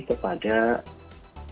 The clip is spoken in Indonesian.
keputusan yang diberikan oleh hakim